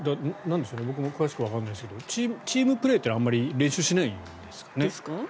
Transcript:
詳しくわからないですがチームプレーというのはあまり練習しないんですかね？ですか？